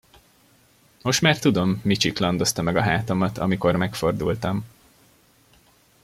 Most már tudom, mi csiklandozta meg a hátamat, amikor megfordultam.